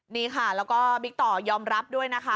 นี่ค่ะแล้วก็บิ๊กต่อยอมรับด้วยนะคะ